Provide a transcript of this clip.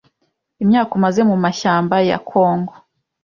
Imyaka umaze mu mashyamba ya Congo,